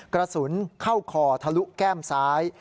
กระสุนเข้าคอทะลุแก้มซ้าย